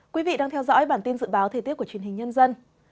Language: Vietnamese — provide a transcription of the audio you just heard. quý vị đang theo dõi bản tin dự báo thời tiết của truyền hình nhân dân